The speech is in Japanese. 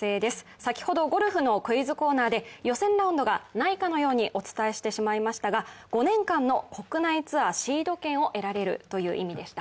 先ほど、ゴルフのクイズコーナーで予選ラウンドがないかのようにお伝えしてしまいましたが５年間の国内ツアーのシード権を得られるという意味でした。